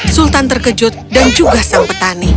sultan terkejut dan juga sang petani